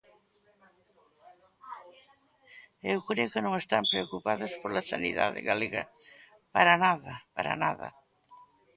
Eu creo que non están preocupados pola sanidade galega, para nada, ¡para nada!